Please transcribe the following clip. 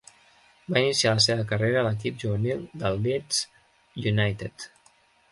Va iniciar la seva carrera a l'equip juvenil del Leeds United.